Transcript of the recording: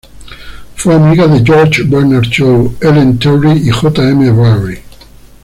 Fue amiga de George Bernard Shaw, Ellen Terry y J. M. Barrie.